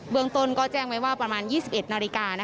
เมืองต้นก็แจ้งไว้ว่าประมาณ๒๑นาฬิกา